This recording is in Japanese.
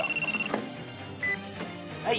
はい。